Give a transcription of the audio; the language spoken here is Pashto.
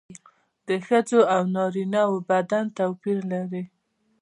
د ښځو او نارینه وو بدن توپیر لري